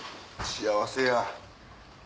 幸せや。